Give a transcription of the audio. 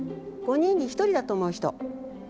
５人に１人だと思う人？